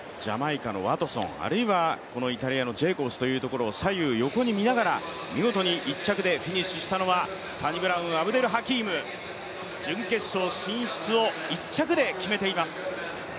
ジャマイカのワトソン、あるいはイタリアのジェイコブスを左右横に見ながら、見事に１着でフィニッシュしたのはサニブラウン・アブデルハキーム、準決勝進出を１着で決めています。